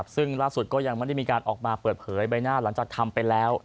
ซึ่งล่าสุดก็ยังไม่ได้มีการออกมาเปิดเผยใบหน้าหลังจากทำไปแล้ว